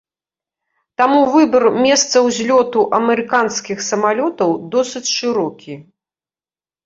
Таму выбар месца ўзлёту амерыканскіх самалётаў досыць шырокі.